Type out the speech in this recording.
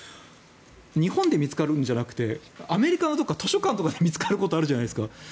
日本で見つかるんじゃなくてアメリカのどこか図書館とかで見つかることがあるじゃないですか。